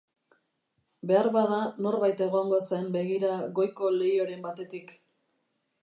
Beharbada norbait egongo zen begira goiko leihoren batetik.